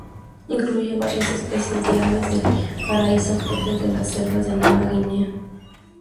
Incluye varias especies de aves del paraíso propias de las selvas de Nueva Guinea.